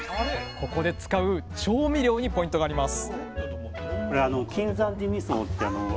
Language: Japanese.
ここで使う調味料にポイントがあります